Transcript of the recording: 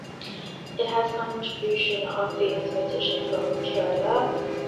It has contribution of famous musicians from Kerala.